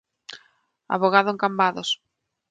Avogado en Cambados.